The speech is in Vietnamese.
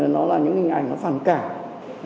nó là những hình ảnh nó phản cảm